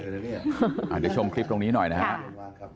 เดี๋ยวชมคลิปตรงนี้หน่อยนะครับ